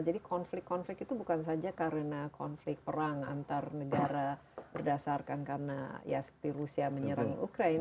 jadi konflik konflik itu bukan saja karena konflik perang antar negara berdasarkan karena ya seperti rusia menyerang ukraine